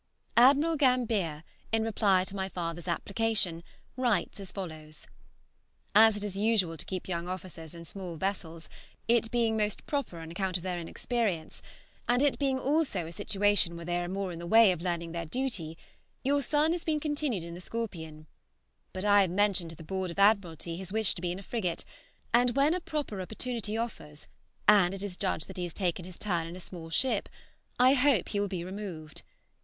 Admiral Gambier, in reply to my father's application, writes as follows: "As it is usual to keep young officers in small vessels, it being most proper on account of their inexperience, and it being also a situation where they are more in the way of learning their duty, your son has been continued in the 'Scorpion;' but I have mentioned to the Board of Admiralty his wish to be in a frigate, and when a proper opportunity offers and it is judged that he has taken his turn in a small ship, I hope he will be removed.